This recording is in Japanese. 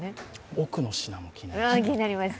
奥の品も気になりました。